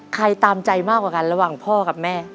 ตามใจมากกว่ากันระหว่างพ่อกับแม่